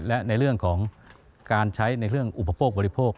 และในเรื่องของการใช้ในเรื่องอุปโภคบริโภค